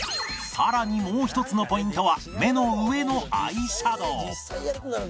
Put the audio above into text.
更にもう１つのポイントは目の上のアイシャドウ